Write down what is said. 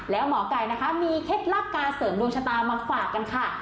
แล้วหมอไก่นะคะมีเคล็ดลับการเสริมดวงชะตามาฝากกันค่ะ